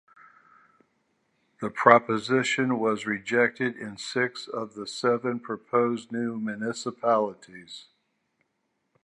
The proposition was rejected in six of the seven proposed new municipalities.